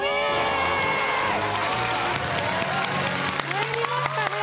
入りましたね！